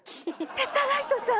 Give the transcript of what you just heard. ペタライトさん！